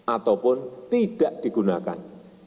ataupun tidak digunakan